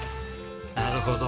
なるほど。